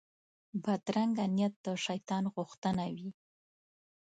بدرنګه نیت د شیطان غوښتنه وي